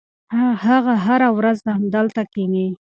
هغه هره ورځ همدلته کښېني.